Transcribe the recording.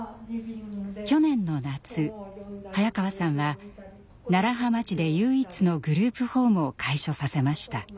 去年の夏早川さんは楢葉町で唯一のグループホームを開所させました。